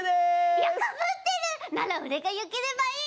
いやかぶってる！なら俺がよければいい！